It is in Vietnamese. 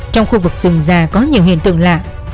trong khu vực rừng già có nhiều hiện tượng lạ